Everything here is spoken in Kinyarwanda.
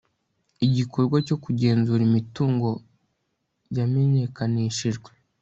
Igikorwa cyo kugenzura imitungo yamenyekanishijwe